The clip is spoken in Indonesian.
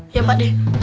iya pak deh